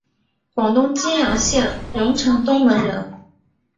广东揭阳县榕城东门人。